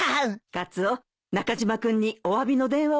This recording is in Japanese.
カツオ中島君におわびの電話をしなさい。